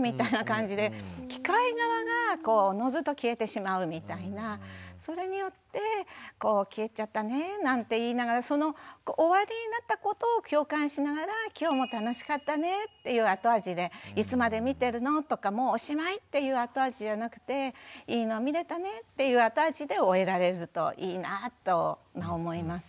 みたいな感じで機械側がおのずと消えてしまうみたいなそれによって「消えちゃったね」なんて言いながらその終わりになったことを共感しながら今日も楽しかったねっていう後味でいつまで見てるのとかもうおしまいっていう後味じゃなくていいの見れたねっていう後味で終えられるといいなぁと思います。